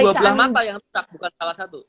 dua belah mata yang tetap bukan salah satu